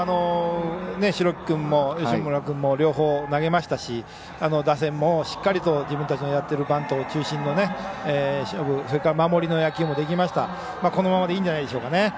代木君も吉村君も両方投げましたし打線もしっかりと自分たちのやっているバント中心の勝負、守りの野球もできましたので、このままでいいんじゃないでしょうか。